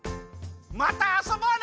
またあそぼうね！